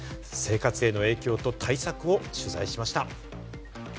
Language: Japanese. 生活への影響と対策を取材しました。